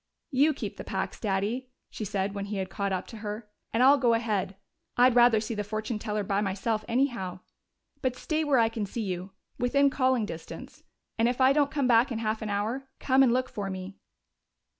"You keep the packs, Daddy," she said when he had caught up to her, "and I'll go ahead. I'd rather see the fortune teller by myself, anyhow. But stay where I can see you within calling distance. And if I don't come back in half an hour, come and look for me."